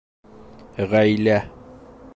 Ғаилә